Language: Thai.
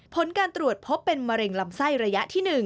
ผลการตรวจพบเป็นมะเร็งลำไส้ระยะที่๑